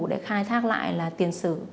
để khai thác lại là tiền sử